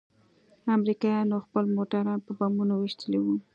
امريکايانوخپل موټران په بمونو ويشتلي وو.